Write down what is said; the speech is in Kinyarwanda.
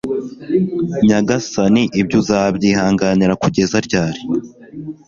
nyagasani, ibyo uzabyihanganira kugeza ryari